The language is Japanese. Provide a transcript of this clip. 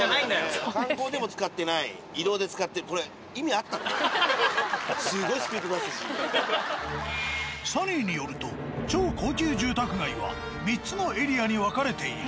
これサニーによると超高級住宅街は３つのエリアに分かれている。